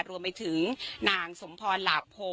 รวมไปถึงนางสมพรหลาโพ